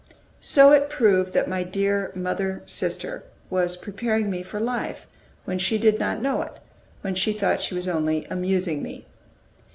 So it proved that my dear mother sister was preparing me for life when she did not know it, when she thought she was only amusing me.